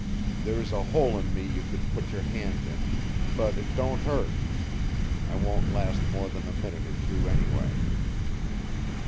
There's a hole in me you could put your hand in. But it don't hurt. I won't last more than a minute or two, anyway."